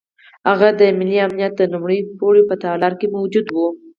هغه د ملي امنیت د لومړي پوړ په تالار کې موجود وو.